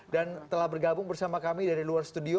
dan telah bergabung bersama kami dari luar studio